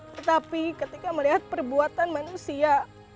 tetapi ketika melihat perbuatan manusia